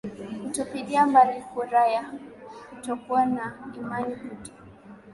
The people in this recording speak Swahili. kutupilia mbali kura ya kutokuwa na imani kuto